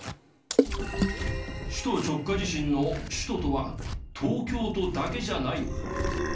首都直下地震の「首都」とは東京都だけじゃない。